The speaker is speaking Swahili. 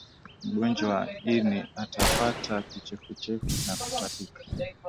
mgonjwa wa ini atapata kichefuchefu na kutapika